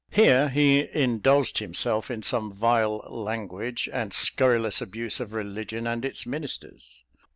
Here he indulged himself in some vile language and scurrilous abuse of religion and its ministers.